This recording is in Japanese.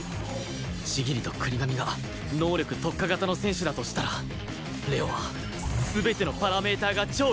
千切と國神が能力特化型の選手だとしたら玲王は全てのパラメーターが超優秀